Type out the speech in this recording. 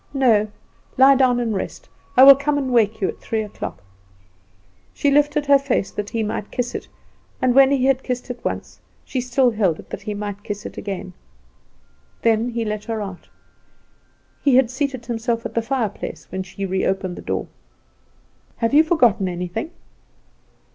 "No. Lie down and rest; I will come and wake you at three o'clock." She lifted her face that he might kiss it, and, when he had kissed it once, she still held it that he might kiss it again. Then he let her out. He had seated himself at the fireplace, when she reopened the door. "Have you forgotten anything?"